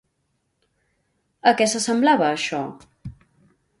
A què s'assemblava això?